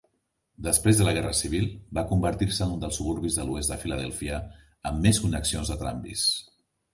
Després de la Guerra Civil, va convertir-se en un dels suburbis de l'oest de Philadelphia amb més connexions de tramvis.